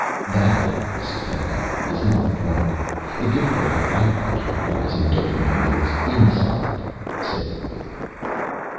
"That, Mrs. Pedagog, is not the point. The difficulty I find here lies in getting my meals inside," said the Idiot.